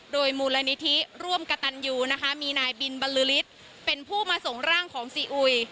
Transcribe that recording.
โดยมูลนิธิร่วมกระตันยูนะคะมีนายบินบรรลือฤทธิ์เป็นผู้มาส่งร่างของซีอุย